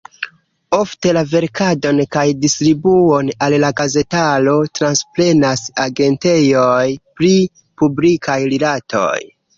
Ofte la verkadon kaj distribuon al la gazetaro transprenas agentejoj pri publikaj rilatoj.